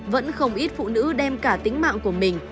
vẫn không ít phụ nữ đem cả tính mạng của mình